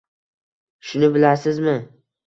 Shuni bilasizmi?